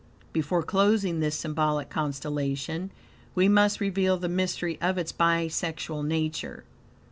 Before closing this symbolic constellation, we must reveal the mystery of its BI SEXUAL NATURE.